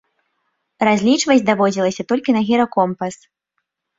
Разлічваць даводзілася толькі на гіракомпас.